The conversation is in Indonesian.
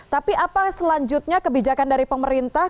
tapi apa selanjutnya kebijakan dari pemerintah